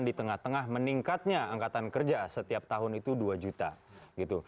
di tengah tengah meningkatnya angkatan kerja setiap tahun itu dua juta gitu